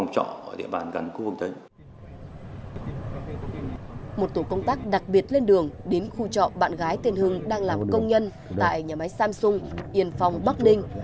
một tổ công tác đặc biệt lên đường đến khu trọ bạn gái tên hưng đang làm công nhân tại nhà máy samsung yên phong bắc ninh